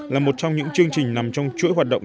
là một trong những chương trình nằm trong chuỗi hoạt động